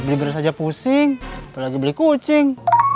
beli beres aja pusing beli kucing